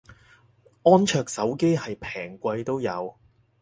安卓手機係平貴都有